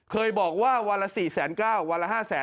เคยบอกว่าวันละ๔๙๐๐วันละ๕๐๐๐